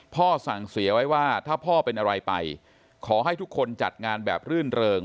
สั่งเสียไว้ว่าถ้าพ่อเป็นอะไรไปขอให้ทุกคนจัดงานแบบรื่นเริง